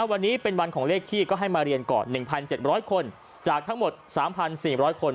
วันนี้เป็นวันของเลขที่ก็ให้มาเรียนก่อน๑๗๐๐คนจากทั้งหมด๓๔๐๐คน